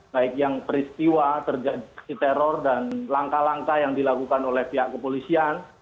baik yang peristiwa terjadi teror dan langkah langkah yang dilakukan oleh pihak kepolisian